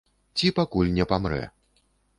Ці пакуль не памрэ.